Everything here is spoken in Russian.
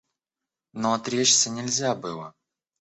Но отречься нельзя было.